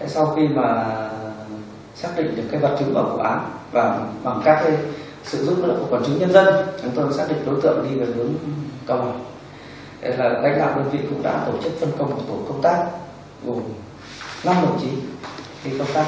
sau khi xác định được vật chứng và vụ án và bằng cách sự giúp đỡ của quản chứng nhân dân chúng tôi xác định đối tượng đi về hướng cao bằng